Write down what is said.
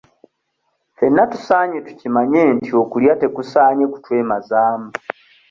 Ffenna tusaanye tukimanye nti okulya tekusaanye kutwemazaamu.